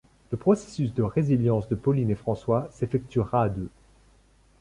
Le processus de résilience de Pauline et François s'effectuera à deux.